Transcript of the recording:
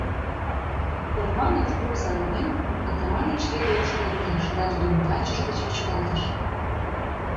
Урманов, трук савырнен, Атаманыч деке ошкыл мийыш да тудым вачыж гыч вӱчкалтыш.